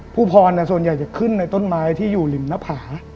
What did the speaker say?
ผู้พรส่วนใหญ่จะขึ้นในต้นไม้ที่อยู่ริมหน้าผา